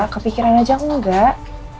kepikiran aja enggak